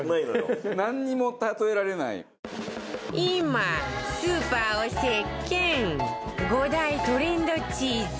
今スーパーを席巻５大トレンドチーズ